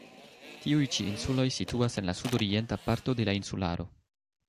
Tiuj ĉi insuloj situas en la sudorienta parto de la insularo.